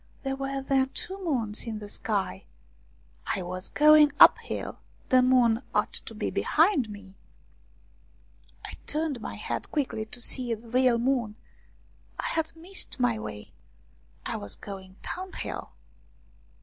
There were then two moons in the sky ! I was going uphill ; the moon ought to be behind me ! I turned my head quickly to see the real moon. I had missed my way I was going downhill